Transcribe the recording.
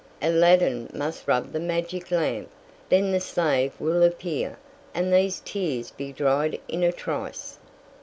"Aladdin must rub the magic lamp; then the slave will appear, and these tears be dried in a trice."